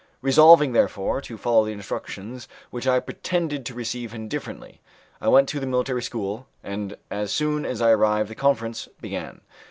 Resolving, therefore, to follow the instructions which I pretended to receive indifferently. I went to the military school, and as soon as I arrived the conference began.